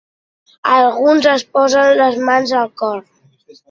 Alguns es posen les mans al cor.